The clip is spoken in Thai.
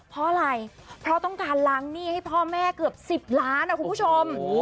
เพราะอะไรเพราะต้องการล้างหนี้ให้พ่อแม่เกือบ๑๐ล้านนะคุณผู้ชม